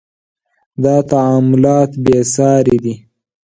• دا تعاملات بې ساري دي.